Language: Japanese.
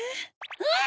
うん！